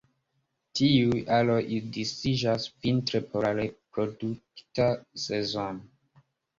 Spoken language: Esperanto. Tiuj aroj disiĝas vintre por la reprodukta sezono.